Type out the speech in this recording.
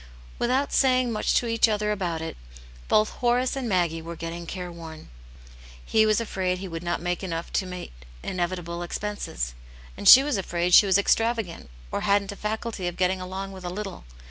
Without saying much to each other about it, both Horace and Maggie were getting careworn. He was afraid he would not make enough to meet inevitable expenses, and she was afraid she was extravagant or hadn't a/aculty of getting along with a little.